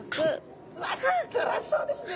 うわっつらそうですね。